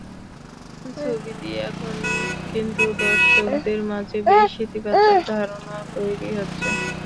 ছবি নিয়ে এখন কিন্তু দর্শকদের মাঝে বেশ ইতিবাচক ধারণা তৈরি হচ্ছে।